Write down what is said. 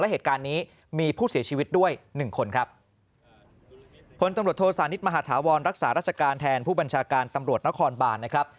เหตุการณ์นี้มีผู้เสียชีวิตด้วยหนึ่งคนครับผลตำรวจโทษานิทมหาฐาวรรักษาราชการแทนผู้บัญชาการตำรวจนครบานนะครับ